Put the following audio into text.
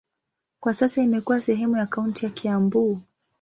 Kwa sasa imekuwa sehemu ya kaunti ya Kiambu.